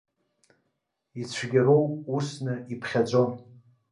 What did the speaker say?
Ицәгьароу усны иԥхьаӡон.